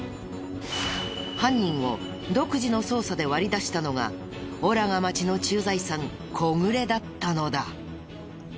犯人を独自の捜査で割り出したのがオラが町の駐在さん小暮だったのだ。